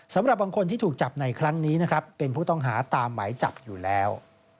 สำหรับบางคนที่ถูกจับในครั้งนี้นะครับเป็นผู้ต้องหาตามหมายจับอยู่แล้ว